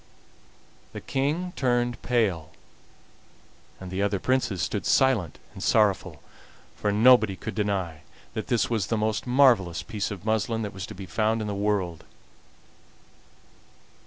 The King turned pale, and the other Princes stood silent and sorrowful, for nobody could deny that this was the most marvelous piece of muslin that was to be found in the world.